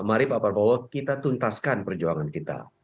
mari pak prabowo kita tuntaskan perjuangan kita